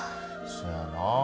そやなあ。